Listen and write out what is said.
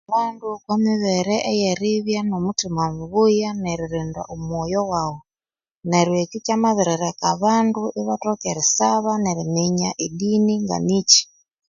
Abandu omomibere eyeribya nomuthima mubuya neririnda omoyo waghu Nero eki kyamabirileka abandu abathoka erisaba neriminya edini nganiki